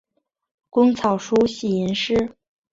工草书喜吟诗。